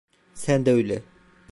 Sen de öyle.